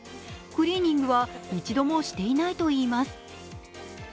クリーニングは一度もしていないといいます。